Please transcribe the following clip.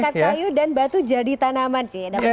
ikat kayu dan batu jadi tanaman sih